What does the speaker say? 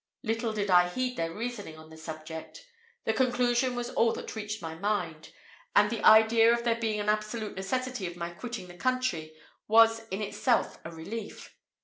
Little did I heed their reasoning on the subject. The conclusion was all that reached my mind; and the idea of there being an absolute necessity for my quitting the country was in itself a relief.